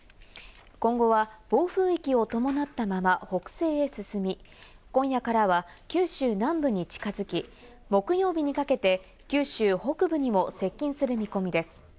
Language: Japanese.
今後は暴風域を伴ったまま北西へ進み、今夜からは九州南部に近づき、木曜日にかけて九州北部にも接近する見込みです。